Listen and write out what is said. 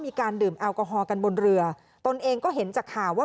มีการดื่มแอลกอฮอลกันบนเรือตนเองก็เห็นจากข่าวว่า